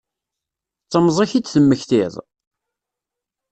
D temẓi-k i d-temmektiḍ?